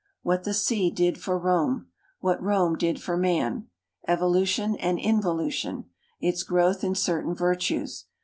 What tfie sea did for Rome. What Rome did for man. P>olution and involution. Its growth in certain virtues.